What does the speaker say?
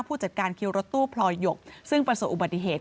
ผู้จัดการคิวรถตู้พลอยหยกซึ่งประสบอุบัติเหตุ